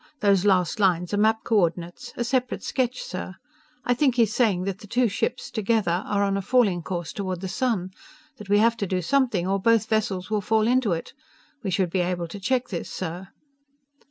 Those last lines are map co ordinates a separate sketch, sir. I think he's saying that the two ships, together, are on a falling course toward the sun. That we have to do something or both vessels will fall into it. We should be able to check this, sir."